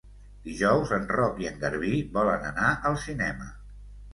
Dijous en Roc i en Garbí volen anar al cinema.